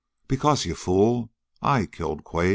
"Because, you fool, I killed Quade!"